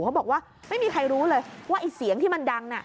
เขาบอกว่าไม่มีใครรู้เลยว่าไอ้เสียงที่มันดัง